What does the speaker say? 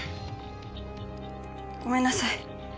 ごめんなさい。